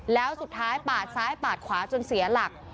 แล้วสุดท้ายปาดซ้ายปาดขวาจนเสียหลัก